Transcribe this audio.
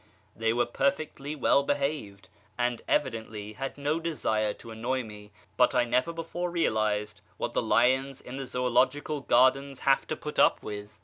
They were FROM SHIrAZ to YEZD 561 perfectly well behaved, and evidently had no desire to annoy me ; but I never before realised what the lions in the Zoological Gardens have to put up with